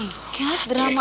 yaudah gue balik duluan ya